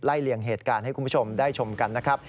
เลี่ยงเหตุการณ์ให้คุณผู้ชมได้ชมกันนะครับ